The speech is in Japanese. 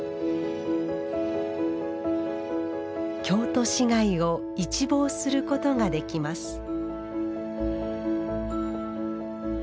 京都市街を一望することができます